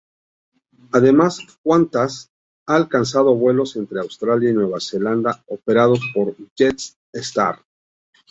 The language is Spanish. Además Qantas ha lanzado vuelos entre Australia y Nueva Zelanda operados por Jetstar.